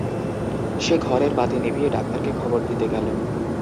সে ঘরের বাতি নিভিয়ে ডাক্তারকে খবর দিতে গেল।